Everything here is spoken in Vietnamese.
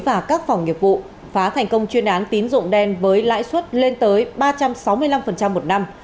và các phòng nghiệp vụ phá thành công chuyên án tín dụng đen với lãi suất lên tới ba trăm sáu mươi năm một năm